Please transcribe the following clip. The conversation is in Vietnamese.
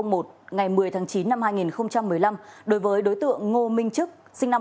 ngày một mươi tháng chín năm hai nghìn một mươi năm đối với đối tượng ngô minh trức sinh năm một nghìn chín trăm tám mươi bốn